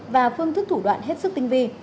và phương thức thủ đoạn hết sức tinh vi